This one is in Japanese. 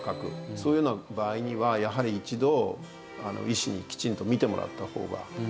そういうような場合にはやはり一度医師にきちんと診てもらった方がいいと思いますね。